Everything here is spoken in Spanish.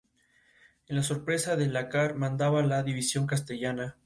Según la Oficina del Censo de los Estados Unidos, Lake No.